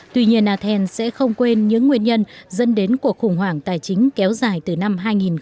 tuy nhiên ad an sẽ không quên những nguyên nhân dân đến cuộc khủng hoảng tài chính kéo dài từ năm hai nghìn một mươi